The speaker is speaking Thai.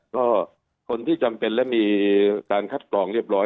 ก็คนที่จำเป็นและมีการคัดกรองเรียบร้อย